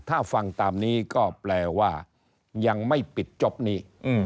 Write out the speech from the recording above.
ถ้าฟังตามนี้ก็แปลว่ายังไม่ปิดจบนี้